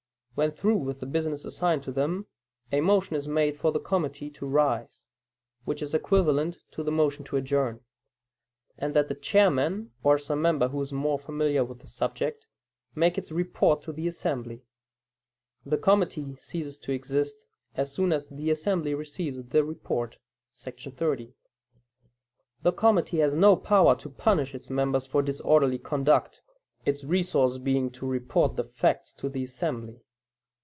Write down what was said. When through with the business assigned them, a motion is made for the committee to "rise" (which is equivalent to the motion to adjourn), and that the chairman (or some member who is more familiar with the subject) make its report to the assembly. The committee ceases to exist as soon as the assembly receives the report [§ 30]. The committee has no power to punish its members for disorderly conduct, its resource being to report the facts to the assembly.